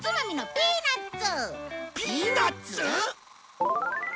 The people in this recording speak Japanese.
ピーナッツ？